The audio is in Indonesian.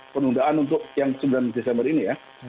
penundaan untuk yang sembilan desember ini ya